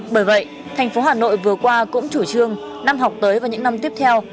bởi vậy thành phố hà nội vừa qua cũng chủ trương năm học tới và những năm tiếp theo